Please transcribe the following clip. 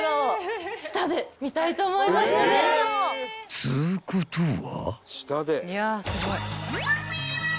［っつうことは］